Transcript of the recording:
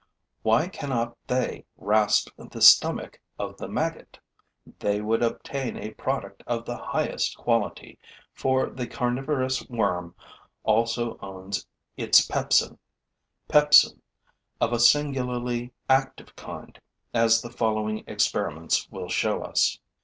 Why cannot they rasp the stomach of the maggot! They would obtain a product of the highest quality, for the carnivorous worm also owns its pepsin, pepsin of a singularly active kind, as the following experiments will show us.